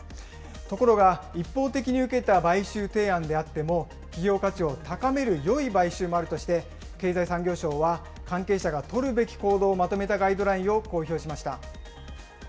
ところが、一方的に受けた買収提案であっても、企業価値を高めるよい買収もあるとして、経済産業省は関係者が取るべき行動をまとめたガイドラインを公表しました。